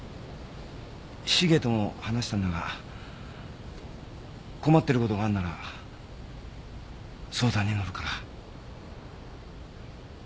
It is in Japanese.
シゲとも話したんだが困ってることがあるんなら相談に乗るから。